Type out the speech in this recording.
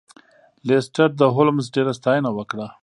لیسټرډ د هولمز ډیره ستاینه وکړه.